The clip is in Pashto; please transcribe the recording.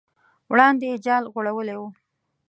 وړاندې یې جال غوړولی و.